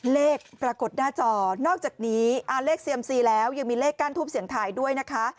เลขปรากฏหน้าจอนอกจากนี้เลขเซียมซีแล้วยังมีเลขก้านทูปเสียงทายด้วยนะคะ